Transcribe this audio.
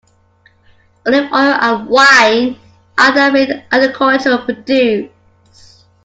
Olive oil and wine are the main agricultural produce.